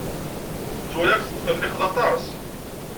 Ttwaliɣ-k tettqelliqed aṭas.